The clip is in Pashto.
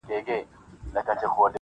جهاني کړي غزلونه د جانان په صفت ستړي -